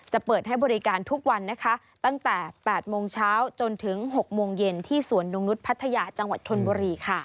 เปิดให้บริการทุกวันนะคะตั้งแต่๘โมงเช้าจนถึง๖โมงเย็นที่สวนนงนุษย์พัทยาจังหวัดชนบุรี